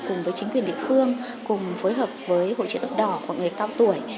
cùng với chính quyền địa phương cùng với hội chế độc đỏ của người cao tuổi